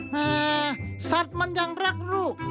สัตว์มันยังรักลูก